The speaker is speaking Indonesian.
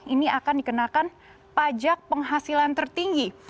ini akan dikenakan pajak penghasilan tertinggi